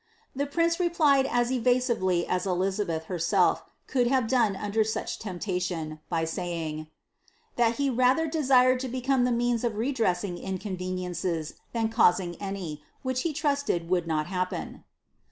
The prince replied as evasively as Elizabeth herself could have under such temptation, by saying, ' that he rather desired to becom> means of redressing inconveniences, than causing anv, which he tr would not happen."